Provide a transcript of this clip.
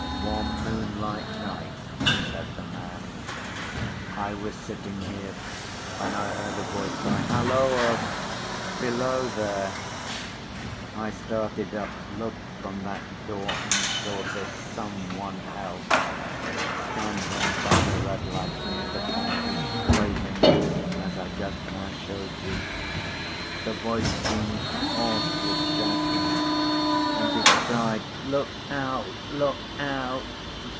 "One moonlight night," said the man, "I was sitting here, when I heard a voice cry p. 99'Halloa! Below there!' I started up, looked from that door, and saw this Some one else standing by the red light near the tunnel, waving as I just now showed you. The voice seemed hoarse with shouting, and it cried, 'Look out! Look out!